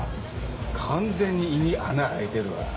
完全に胃に穴開いてるわ。